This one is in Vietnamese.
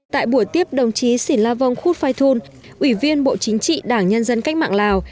tại buổi tiếp đồng chí xỉn la vong khúc phai thun ủy viên bộ chính trị đảng nhân dân cách mạng lào